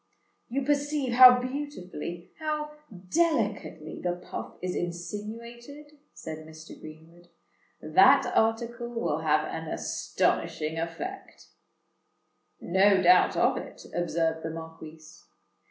"You perceive how beautifully—how delicately the puff is insinuated," said Mr. Greenwood. "That article will have an astonishing effect." "No doubt of it," observed the Marquis.